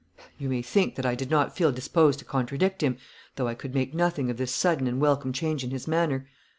You may think that I did not feel disposed to contradict him, though I could make nothing of this sudden and welcome change in his manner.